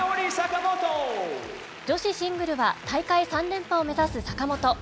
女子シングルは、大会３連覇を目指す坂本。